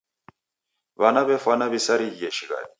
W'ana w'efwana w'isarighie shighadi.